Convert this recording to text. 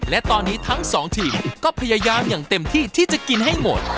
และตอนนี้ทั้งสองทีมก็พยายามอย่างเต็มที่ที่จะกินให้หมด